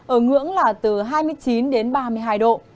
ở ngưỡng là từ hai mươi chín đến ba mươi hai độ